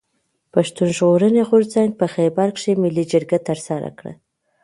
پښتون ژغورني غورځنګ په خېبر کښي ملي جرګه ترسره کړه.